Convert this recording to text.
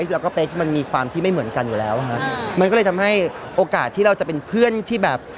แล้วก็เป๊กมันมีความที่ไม่เหมือนกันอยู่แล้วฮะมันก็เลยทำให้โอกาสที่เราจะเป็นเพื่อนที่แบบ